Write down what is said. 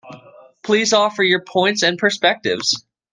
Please offer your points and perspectives.